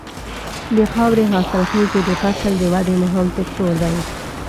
د خاورې حاصلخېزي د فصل د ودې مهم فکتور دی.